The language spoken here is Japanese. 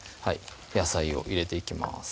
野菜を入れていきます